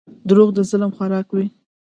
• دروغ د ظلم خوراک وي.